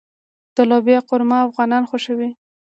د لوبیا قورمه افغانان خوښوي.